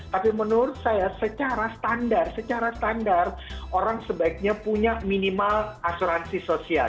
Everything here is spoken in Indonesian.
tapi menurut saya secara standar secara standar orang sebaiknya punya minimal asuransi sosial